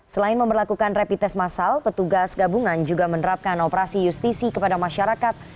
selain memperlakukan rapid test masal petugas gabungan juga menerapkan operasi justisi kepada masyarakat